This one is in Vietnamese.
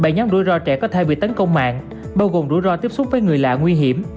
bảy nhóm rủi ro trẻ có thể bị tấn công mạng bao gồm rủi ro tiếp xúc với người lạ nguy hiểm